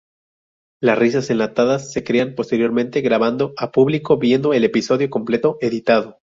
Las risas enlatadas se crean posteriormente grabando a público viendo el episodio completo editado.